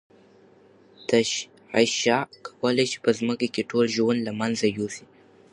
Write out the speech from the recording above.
تشعشع کولای شي په ځمکه کې ټول ژوند له منځه یوسي.